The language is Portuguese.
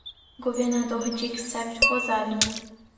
Governador Dix-Sept Rosado